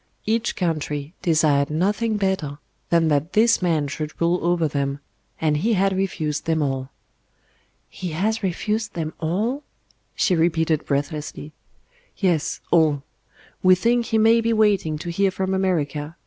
Each country desired nothing better than that this man should rule over them; and He had refused them all. "He has refused them all!" she repeated breathlessly. "Yes, all. We think He may be waiting to hear from America.